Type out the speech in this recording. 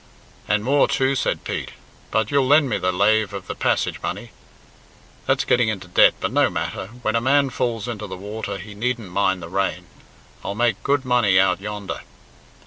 "And more, too," said Pete, "but you'll lend me the lave of the passage money. That's getting into debt, but no matter. When a man falls into the water he needn't mind the rain. I'll make good money out yonder."